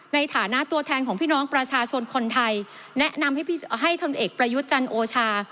ในฐานะตัวแทนของพี่น้องประชาชนคนไทยแนะนำให้พลเอกประยุทธ์จันทร์โอชา